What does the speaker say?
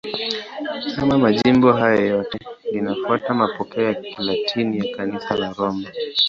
Kama majimbo hayo yote, linafuata mapokeo ya Kilatini ya Kanisa la Roma.